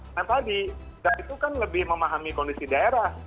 maka lagi kita itu kan lebih memahami kondisi daerah